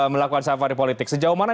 melakukan safari politik sejauh mana